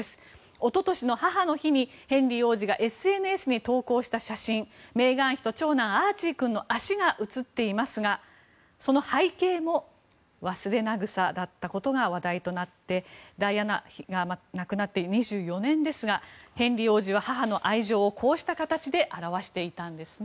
一昨年の母の日にヘンリー王子がＳＮＳに投稿した写真メーガン妃とアーチー君の足が写っていましたがその背景もワスレナグサだったことが話題となってダイアナ妃が亡くなって２４年ですがヘンリー王子は母の愛情をこうした形で表していたんですね。